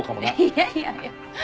いやいやいや。